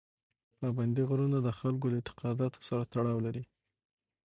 پابندي غرونه د خلکو له اعتقاداتو سره تړاو لري.